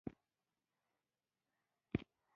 د افغانستان جغرافیه کې ښتې ستر اهمیت لري.